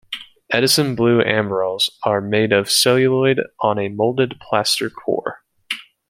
Edison Blue Amberols are made of celluloid on a molded plaster core.